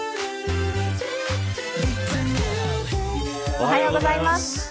おはようございます。